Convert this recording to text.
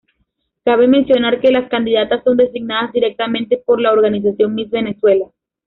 Cabe mencionar, que las candidatas son designadas directamente por la Organización Miss Venezuela.